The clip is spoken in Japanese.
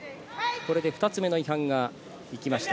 これで２つ目の違反がいきました。